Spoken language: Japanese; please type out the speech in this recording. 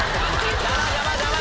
邪魔邪魔！